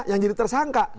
yang jadi tersangka